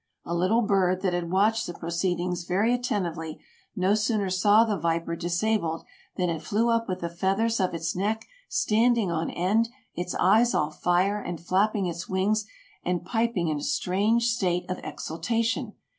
A little bird, that had watched the proceedings very attentively, no sooner saw the viper disabled than it flew up with the feathers of its neck stand ing on end, its eyes all fire, and flapping its wings, and pip ing in a strange state of exultation.